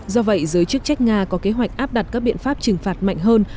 do vậy giới chức trách nga có kế hoạch áp đặt các biện pháp trừng phạt mạnh hơn